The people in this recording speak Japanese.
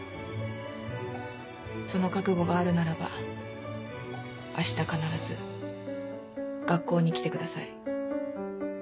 その覚悟があるならば明日必ず学校に来てください。